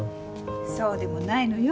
そうでもないのよ。